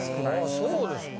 そうですか。